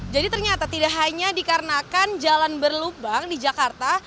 jadi ternyata tidak hanya dikarenakan jalan berlubang di jakarta